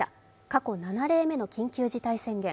過去７例目の緊急事態宣言。